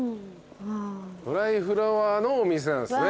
ドライフラワーのお店なんですね。